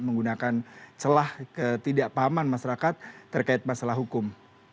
menggunakan celah ketidakpahaman masyarakat terkait masalah hukum